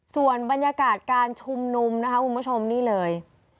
ส่วนบรรยากาศการชุมนุมนะคะคุณผู้ชมนี่เลย